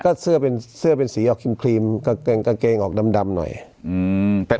ก็เสื้อเป็นเสื้อเป็นสีออกครีมกางเกงกางเกงออกดำดำหน่อยอืมแต่